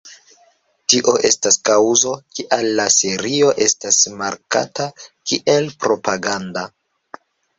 Tio estas kaŭzo, kial la serio estas markata kiel propaganda.